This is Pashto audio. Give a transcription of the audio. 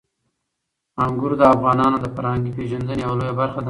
انګور د افغانانو د فرهنګي پیژندنې یوه لویه برخه ده.